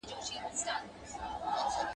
چي هوس و، نو دي بس و.